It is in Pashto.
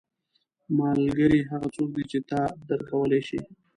• ملګری هغه څوک دی چې تا درک کولی شي.